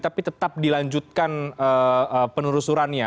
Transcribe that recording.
tapi tetap dilanjutkan penelusurannya